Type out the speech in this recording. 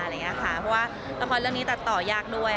เพราะว่าละครเรื่องนี้ตัดต่อยากด้วย